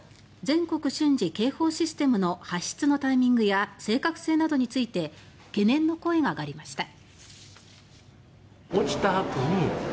・全国瞬時警報システムの発出のタイミングや正確性などについて懸念の声があがりました。